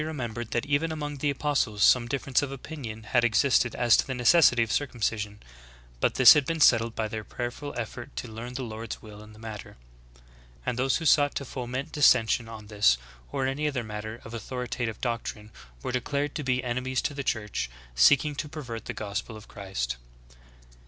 embered that even among the apostles some difference of opinion had existed as to the necessity of cir cumcision ; but this had been settled by their praverful ef fort to learn the Lord's will in the matter ; and those who sought to foment dissension on this or any other matter '^ Galatians 1: 6 9; read the entire chapter. See Note 3, end of chapter. EARLY STAGES. 41 of authoritative doctrine were declared to be eaemies to the Church, seeking to ''pervert the gospel of Christ."